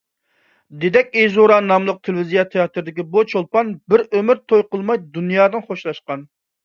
«دېدەك ئىزورا» ناملىق تېلېۋىزىيە تىياتىرىدىكى بۇ چولپان بىر ئۆمۈر توي قىلماي دۇنيادىن خوشلاشقان.